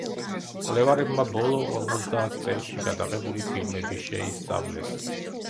მკვლევარებმა ბოლო ორმოცდაათ წელში გადაღებული ფილმები შეისწავლეს.